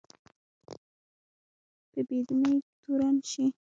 په بې دینۍ تورن شي